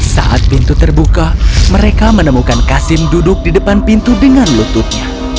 saat pintu terbuka mereka menemukan kasim duduk di depan pintu dengan lututnya